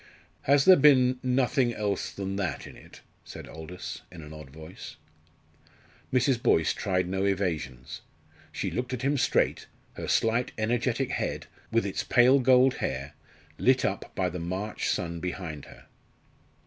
"Has there been nothing else than that in it?" said Aldous, in an odd voice. Mrs. Boyce tried no evasions. She looked at him straight, her slight, energetic head, with its pale gold hair lit up by the March sun behind her.